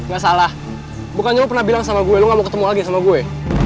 gak salah bukannya lo pernah bilang sama gue lu gak mau ketemu lagi sama gue